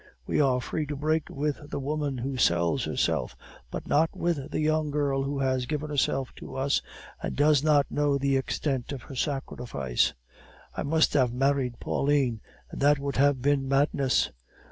We are free to break with the woman who sells herself, but not with the young girl who has given herself to us and does not know the extent of her sacrifice. I must have married Pauline, and that would have been madness.